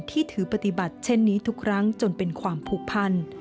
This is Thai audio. ที่ถือปฏิบัติเช่นนี้ทุกครั้งจนเป็นความผูกพัน